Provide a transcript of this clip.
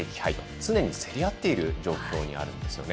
常に競り合っている状況にあるんですよね。